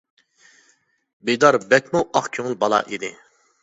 بىدار بەكمۇ ئاق كۆڭۈل بالا ئىدى.